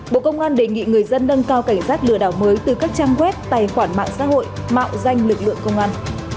bộ công an đề nghị người dân nâng cao cảnh giác lừa đảo mới từ các trang web tài khoản mạng xã hội mạo danh lực lượng công an